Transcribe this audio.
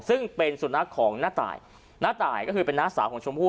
ซึ่งเป็นสุนัขของน้าตายน้าตายก็คือเป็นน้าสาวของชมพู่